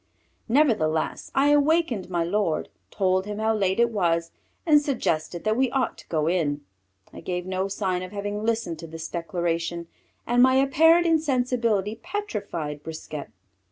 Nevertheless I awakened my lord, told him how late it was, and suggested that we ought to go in. I gave no sign of having listened to this declaration, and my apparent insensibility petrified Brisquet.